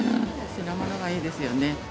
品物がいいですよね。